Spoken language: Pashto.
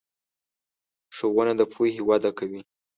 ښوونه د پوهې وده کوي.